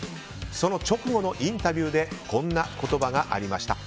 その直後のインタビューでこんな言葉がありました。